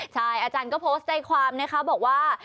ใช่อาจารย์ก็โพสต์ใจความนะคะบอกว่า